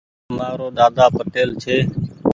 مآرو ۮاۮا پٽيل ڇي۔